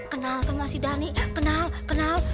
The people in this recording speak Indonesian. kenal sama si dhani kenal kenal